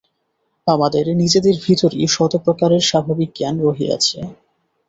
আমাদের নিজেদের ভিতরই শত প্রকারের স্বাভাবিক জ্ঞান রহিয়াছে।